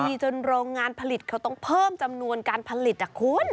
จนโรงงานผลิตเขาต้องเพิ่มจำนวนการผลิตคุณ